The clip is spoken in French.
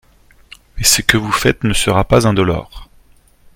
Mais ce que vous faites ne sera pas indolore.